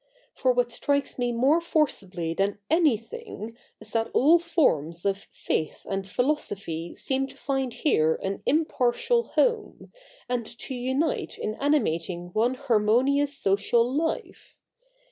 For what strikes me more forcibly than anything is that all forms of faith and philosophy seem to find here an impartial home, and to unite in animating one harmonious social life.